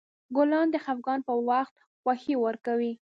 ګلان د خفګان په وخت خوښي ورکوي.